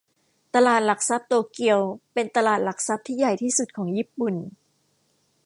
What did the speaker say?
ตลาดหลักทรัพย์โตเกียวเป็นตลาดหลักทรัพย์ที่ใหญ่ที่สุดของญี่ปุ่น